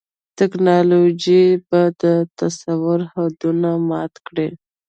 ټیکنالوژي به د تصور حدونه مات کړي.